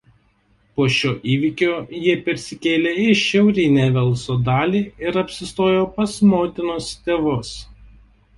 Po šio įvykio jie persikėlė į šiaurinę Velso dalį ir apsistojo pas motinos tėvus.